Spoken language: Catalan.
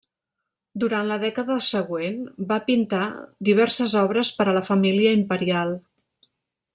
Durant la dècada següent va pintar diverses obres per a la família imperial.